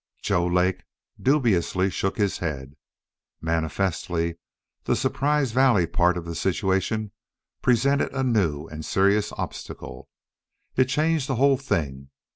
Joe Lake dubiously shook his head. Manifestly the Surprise Valley part of the situation presented a new and serious obstacle. It changed the whole thing.